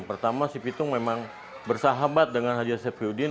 pertama si pitung memang bersahabat dengan haji safiuddin